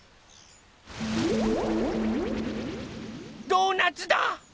ドーナツだ！